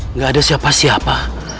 nggak ada siapa siapa